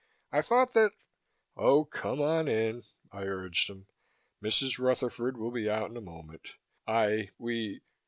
"I thought that " "Oh, come on in," I urged him. "Mrs. Rutherford will be out in a moment. I we...."